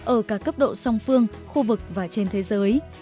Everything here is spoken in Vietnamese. ở cả cấp độ song phương khu vực và trên thế giới